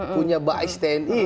punya bas tni